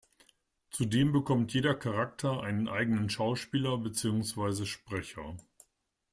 Zudem bekommt jeder Charakter einen eigenen Schauspieler beziehungsweise Sprecher.